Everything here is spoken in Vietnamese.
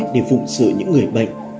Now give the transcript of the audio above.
để phụng sửa những người bệnh